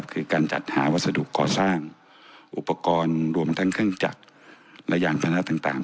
คือการจัดหาวัสดุก่อสร้างอุปกรณ์รวมทั้งเครื่องจักรและยานพนะต่าง